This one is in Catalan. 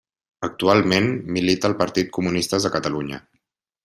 Actualment, milita al partit Comunistes de Catalunya.